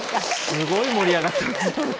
すごい盛り上がってます。